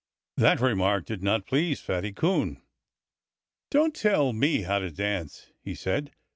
That remark did not please Fatty Coon. "Don't tell me how to dance!" he said.